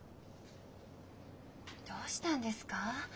どうしたんですか？